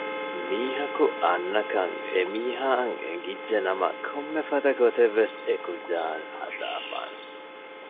މީހަކު އަންނަކަން އެ މީހާއަށް އެނގިއްޖެނަމަ ކޮންމެފަދަ ގޮތެއްވެސް އެ ކުއްޖާއަށް ހަދައިފާނެ